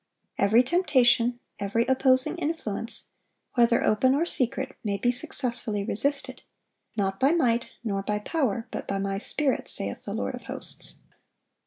Every temptation, every opposing influence, whether open or secret, may be successfully resisted, "not by might, nor by power, but by My Spirit, saith the Lord of hosts."